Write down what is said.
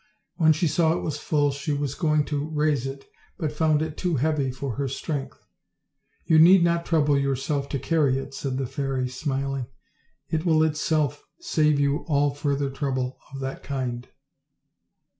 When she saw it was full she was going t raise it, but found it too heavy for her strength. 20 OLD, OLD FAIRY TALES. 'You need not trouble yourself to carry it," said the fairy, smiling; "it will itself save you all further trouble of that kind."